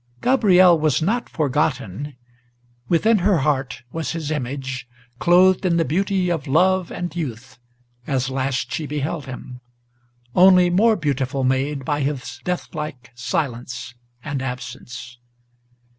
Gabriel was not forgotten. Within her heart was his image, Clothed in the beauty of love and youth, as last she beheld him, Only more beautiful made by his deathlike silence and absence.